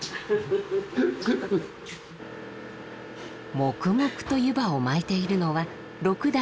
黙々と湯波を巻いているのは六代目。